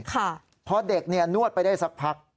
เพราะเด็กนวดไปได้สักพัก